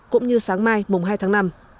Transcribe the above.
cũng như sáng mai mùng hai tháng năm